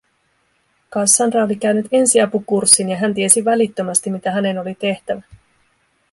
Cassandra oli käynyt ensiapukurssin ja hän tiesi välittömästi, mitä hänen oli tehtävä.